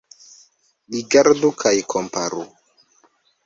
Rigardu kaj komparu.